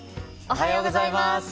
おはようございます。